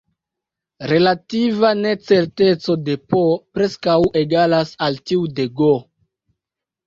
Relativa necerteco de "P" preskaŭ egalas al tiu de "G".